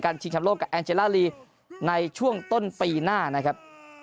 ชิงชำโลกกับแอนเจล่าลีในช่วงต้นปีหน้านะครับ